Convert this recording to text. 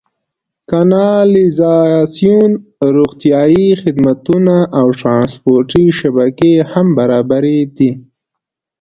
کانالیزاسیون، روغتیايي خدمتونه او ټرانسپورتي شبکې هم برابرې دي.